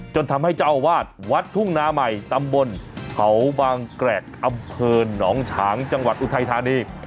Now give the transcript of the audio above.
จนทำให้เจ้าอาวาสวัดทุ่งนาใหม่ตำบลเขาบางแกรกอำเภอหนองฉางจังหวัดอุทัยธานี